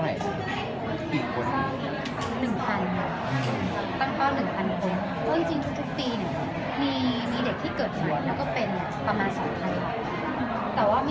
อยู่ในเกณฑ์แล้วก็ต้องชิดว่ามันเป็นไข้